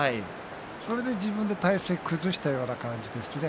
それで自分で体勢を崩したような感じですね。